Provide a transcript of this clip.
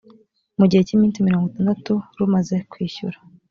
mu gihe cy iminsi mirongo itandatu rumaze kwishyura